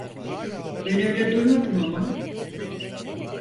Ben öyle duymadım ama.